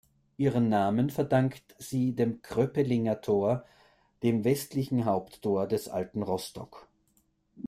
Ihren Namen verdankt sie dem Kröpeliner Tor, dem westlichen Haupttor des alten Rostock.